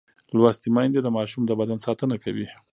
لوستې میندې د ماشوم د بدن ساتنه کوي.